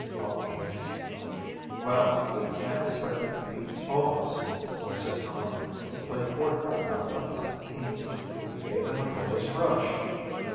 Publisher) "Well, we can't expect to beat always," said Tom, who played quarterback on the Putnam team. "We gave them a close brush."